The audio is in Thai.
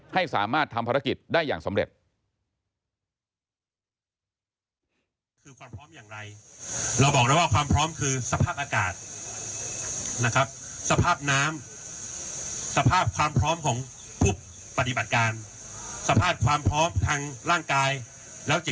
ให้สามารถทำภารกิจได้อย่างสำเร็จ